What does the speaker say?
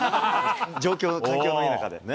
状況、環境のいい中で。